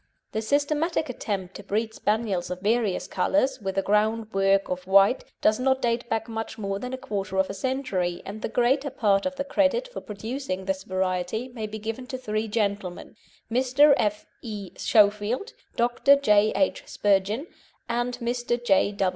The systematic attempt to breed Spaniels of various colours, with a groundwork of white, does not date back much more than a quarter of a century, and the greater part of the credit for producing this variety may be given to three gentlemen, Mr. F. E. Schofield, Dr. J. H. Spurgin, and Mr. J.